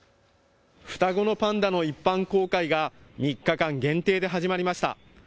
双子のパンダの一般公開が３日間限定で始まりました。